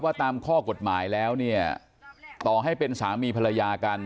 ตามข้อกฎหมายแล้วเนี่ยต่อให้เป็นสามีภรรยากัน